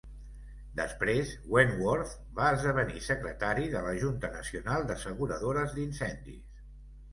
Després Wentworth va esdevenir secretari de la Junta Nacional d'Asseguradores d'Incendis.